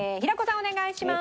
お願いします。